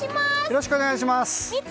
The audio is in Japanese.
よろしくお願いします！